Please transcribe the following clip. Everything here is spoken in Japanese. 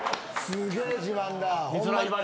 すげえ自慢だ。